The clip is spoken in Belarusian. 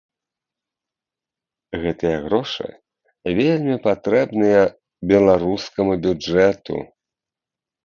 Гэтыя грошы вельмі патрэбныя беларускаму бюджэту.